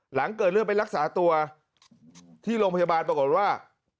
หลังเกิดเรื่องไปรักษาตัวที่โรงพยาบาลปรากฏว่า